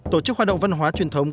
tổ chức hoạt động văn hóa truyền thống